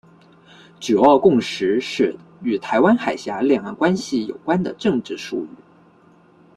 九二共识是与台湾海峡两岸关系有关的政治术语。